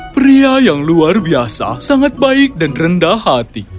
pria yang luar biasa sangat baik dan rendah hati